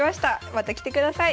また来てください。